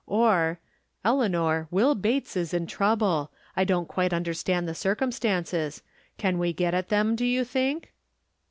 Or, " Eleanor, WiU Bates is in trouble. I don't quite under stand the circumstances. Can we get at them, do you think?"